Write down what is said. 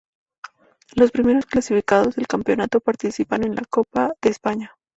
Los primeros clasificados del campeonato participaban en la Copa de España.